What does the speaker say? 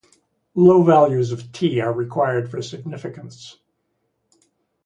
Low values of "T" are required for significance.